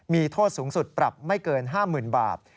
มีโทษสูงสุดปรับไม่เกิน๕๐๐๐บาท